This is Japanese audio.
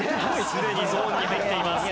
すでにゾーンに入っています。